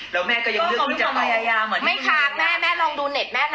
แล้วแม่ก็ยังเลือกที่จะต่อไม่ค้างแม่แม่ลองดูเน็ตแม่นะ